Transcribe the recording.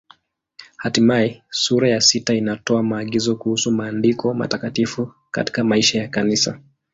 Hatimaye sura ya sita inatoa maagizo kuhusu Maandiko Matakatifu katika maisha ya Kanisa.